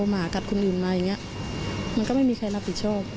หมากัดคนอื่นมาอย่างนี้มันก็ไม่มีใครรับผิดชอบ